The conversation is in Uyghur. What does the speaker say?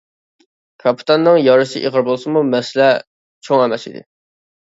كاپىتاننىڭ يارىسى ئېغىر بولسىمۇ مەسىلە چوڭ ئەمەس ئىدى.